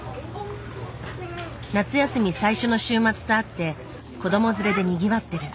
夏休み最初の週末とあって子ども連れでにぎわってる。